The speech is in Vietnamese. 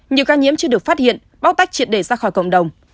nhiều ca nhiễm chưa được phát hiện bóc tách triệt đề ra khỏi cộng đồng